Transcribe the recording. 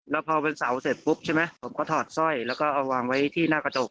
แล้วพอวันเสาร์เสร็จปุ๊บใช่ไหมผมก็ถอดสร้อยแล้วก็เอาวางไว้ที่หน้ากระจก